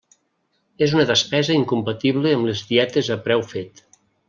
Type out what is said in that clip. És una despesa incompatible amb les dietes a preu fet.